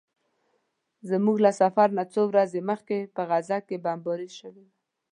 زموږ له سفر نه څو ورځې مخکې په غزه کې بمباري شوې وه.